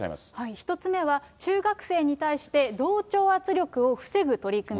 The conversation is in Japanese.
１つ目は、中学生に対して同調圧力を防ぐ取り組み。